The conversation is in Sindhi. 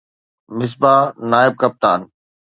مصباح نائب ڪپتان